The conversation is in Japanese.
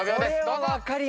どうぞ。